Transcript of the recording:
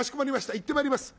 行ってまいります。